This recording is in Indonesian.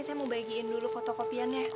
saya mau bagiin dulu kota kopiannya